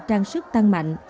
trang sức tăng mạnh